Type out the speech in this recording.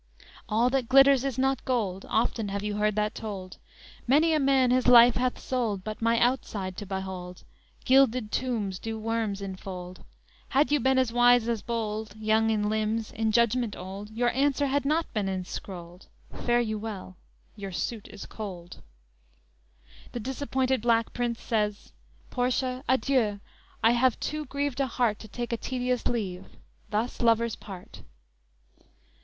_ _'All that glitters is not gold, Often have you heard that told; Many a man his life hath sold, But my outside to behold; Gilded tombs do worms infold. Had you been as wise as bold, Young in limbs, in judgment old Your answer had not been enscrolled, Fare you well, your suit is cold.'"_ The disappointed black prince says: _"Portia, adieu! I have too grieved a heart To take a tedious leave; thus lovers part."